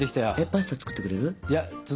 パスタ作ってくれる？